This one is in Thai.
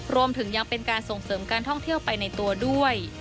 รวมถึงยังเป็นการส่งเสริมการท่องเที่ยวไปในตัวด้วย